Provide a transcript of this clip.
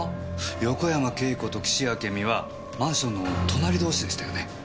横山慶子と岸あけみはマンションの隣同士でしたよね。